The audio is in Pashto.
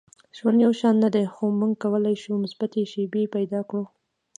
• ژوند یو شان نه دی، خو موږ کولی شو مثبتې شیبې پیدا کړو.